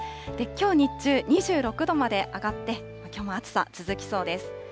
きょう日中、２６度まで上がって、きょうも暑さ続きそうです。